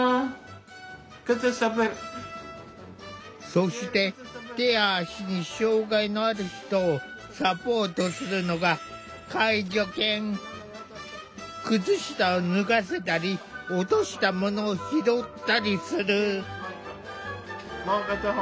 そして手や足に障害のある人をサポートするのが靴下を脱がせたり落としたものを拾ったりする。